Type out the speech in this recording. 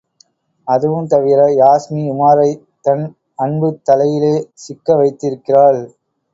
அதுவும் தவிர, யாஸ்மி உமாரைத் தன் அன்புத் தளையிலே சிக்க வைத்திருக்கிறாள்.